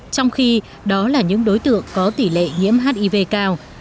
trong khi đó là những đối tượng có tỷ lệ nhiễm hiv cao